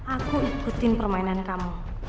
aku ikutin permainan kamu